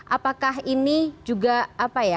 apakah ini juga